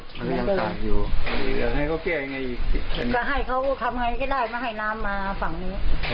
จะให้เขาทำยังไงก็ได้ไม่ให้น้ำมาฝั่งนี้